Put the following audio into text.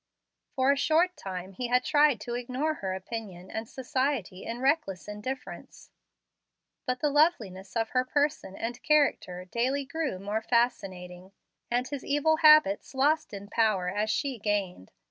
For a short time he had tried to ignore her opinion and society in reckless indifference; but the loveliness of her person and character daily grew more fascinating, and his evil habits lost in power as she gained.